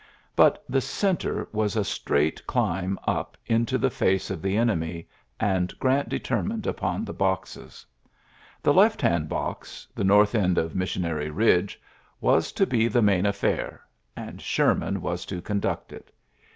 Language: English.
But the centre was a straight climb np into the face of the enemy; and Grant determined upon the boxes. The left hand box, the north end of Missionary Bidge, was to be the main affair ; and Sherman was to con duct it.